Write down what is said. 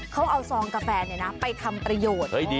เขาเอาซองกาแฟเนี่ยนะไปทำประโยชน์